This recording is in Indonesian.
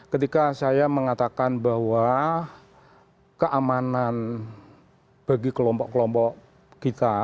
ketika saya mengatakan bahwa keamanan bagi kelompok kelompok kita